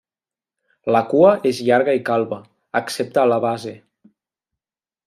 La cua és llarga i calba, excepte a la base.